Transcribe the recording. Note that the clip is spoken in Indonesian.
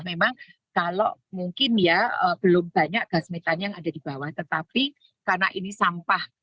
memang kalau mungkin ya belum banyak gas metan yang ada di bawah tetapi karena ini sampah